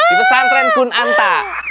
ibu santren kun anta